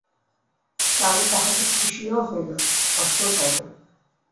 চারু তাহাতে খুশিও হইল, কষ্টও পাইল।